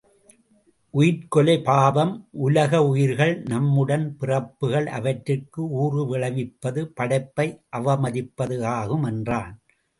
உயிர்க்கொலை பாவம் உலக உயிர்கள் நம் உடன் பிறப்புகள் அவற்றிற்கு ஊறு விளைவிப்பது படைப்பை அவமதிப்பது ஆகும் என்றான்.